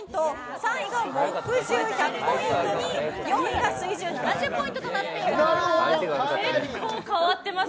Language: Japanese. ３位が木１０で１００ポイント４位が水１０７０ポイントとなっています。